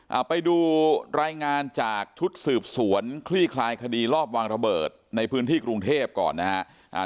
เอาไปดูรายงานจากชุดสืบสวนคลี่คลายคดีรอบวางระเบิดในพื้นที่กรุงเทพก่อนนะฮะอ่า